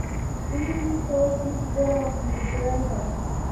ان کی سوچ بھی سیکولر اور لبرل ہے۔